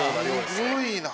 すごいな。